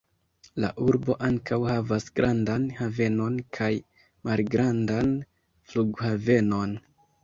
La urbo ankaŭ havas grandan havenon kaj malgrandan flughavenon.